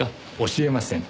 教えません。